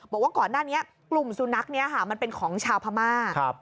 บอกว่าก่อนหน้านี้กลุ่มสุนัขนี้ค่ะมันเป็นของชาวพม่า